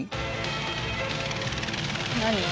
「何？」